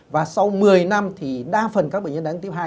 và sau một mươi năm thì đa phần các bệnh nhân đài tháo đường tiếp hai